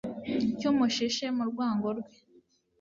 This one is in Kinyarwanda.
cy umushishe mu rwango rwe